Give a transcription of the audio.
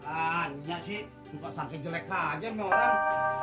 ah iya sih suka sangking jelek aja nih orang